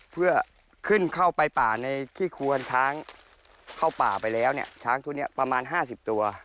เพื่อขึ้นเข้าไปป่าในที่ควรช้างเข้าป่าไปแล้วเนี่ยช้างตัวนี้ประมาณ๕๐ตัว